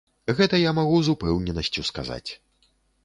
Гэта я магу з упэўненасцю сказаць.